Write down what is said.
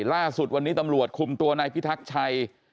ล่าสุดวันนี้ตำรวจคุมตัวนายพิทักษ์ชัย